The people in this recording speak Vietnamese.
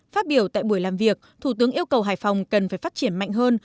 phát biểu tại buổi làm việc thủ tướng yêu cầu hải phòng cần phải phát triển mạnh hơn